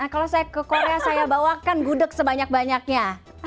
kalau saya ke korea saya bawakan gudeg sebanyak banyaknya